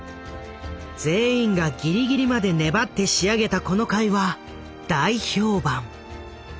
全員がギリギリまで粘って仕上げたこの回は大評判。